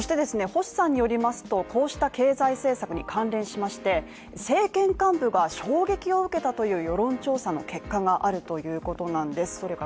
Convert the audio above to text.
星さんによりますと、こうした経済政策に関連しまして、政権幹部が衝撃を受けたという世論調査の結果があるということなんです